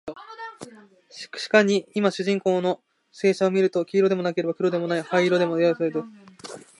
しかるに今主人の彩色を見ると、黄でもなければ黒でもない、灰色でもなければ褐色でもない、さればとてこれらを交ぜた色でもない